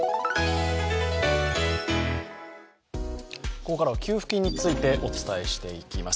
ここからは給付金についてお伝えしていきます。